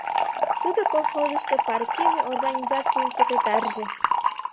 Тудо колхозышто партийный организацийын секретарьже.